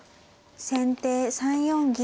先手３四銀。